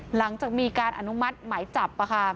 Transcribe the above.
หลังจากมีการอนุมัติหมายจับ